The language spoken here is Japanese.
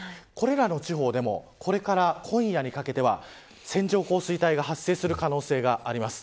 これらの地方でもこれから、今夜にかけては線状降水帯が発生する可能性があります。